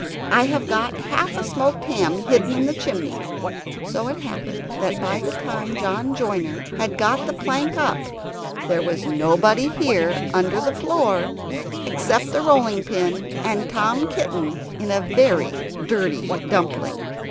"I have got half a smoked ham hidden in the chimney." So it happened that by the time John Joiner had got the plank up there was nobody here under the floor except the rolling pin and Tom Kitten in a very dirty dumpling!